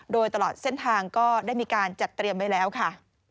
โดยตลอดเส้นทางก็ได้มีการจัดเตรียมไว้แล้วค่ะ